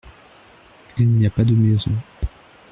Il n’y a pas de maisons.